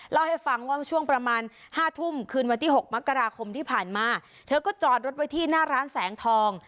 เล่าให้ฟังว่าช่วงประมาณห้าทุ่มคืนวันที่๖มกราคมที่ผ่านมาเธอก็จอดรถไว้ที่หน้าร้านแสงทอง